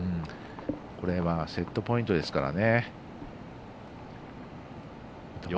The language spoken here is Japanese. これはセットポイントですからね。